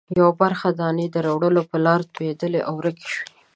یوه برخه دانې د راوړلو په لاره توېدلې او ورکې شوې.